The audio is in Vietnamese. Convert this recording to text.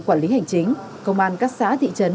quản lý hành chính công an các xã thị trấn